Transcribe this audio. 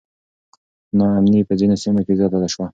نا امني په ځینو سیمو کې زیاته سوه.